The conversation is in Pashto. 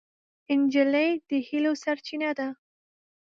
نجلۍ د هیلو سرچینه ده.